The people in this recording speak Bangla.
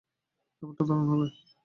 ব্যাপারটা দারুণ হবে।